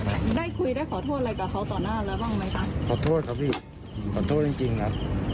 ได้คุยได้ขอโทษอะไรกับเขาตอนนั้นแล้วบ้างไหมคะ